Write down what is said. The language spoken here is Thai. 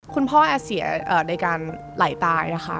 คุณพ่อแอเสียในการไหลตายนะคะ